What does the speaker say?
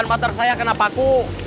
bang motor saya kena paku